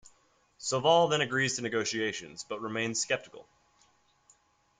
Soval then agrees to negotiations, but remains skeptical.